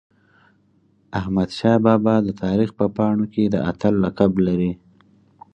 احمدشاه بابا د تاریخ په پاڼو کي د اتل لقب لري.